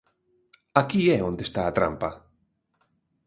Aquí é onde está a trampa.